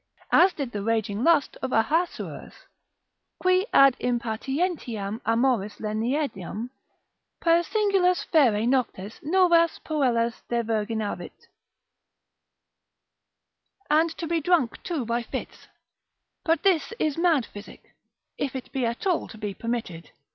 As it did the raging lust of Ahasuerus, qui ad impatientiam amoris leniendam, per singulas fere noctes novas puellas devirginavit. And to be drunk too by fits; but this is mad physic, if it be at all to be permitted.